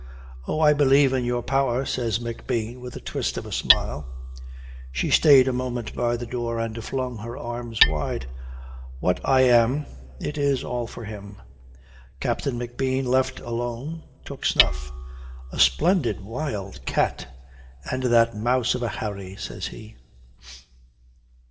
"Oh! I believe in your power," says McBean with a twist of a smile. She stayed a moment by the door and flung her arms wide. "What I am it is all for him." Captain McBean left alone, took snuff. "A splendid wild cat and that mouse of a Harry," says he.